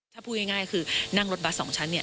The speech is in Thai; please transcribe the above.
ถ้าพูดง่ายคือนั่งรถบัส๒ชั้นเนี่ย